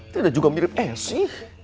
tidak juga mirip esy